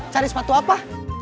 cari sepatu apa